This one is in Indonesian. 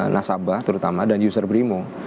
nasabah terutama dan user brimo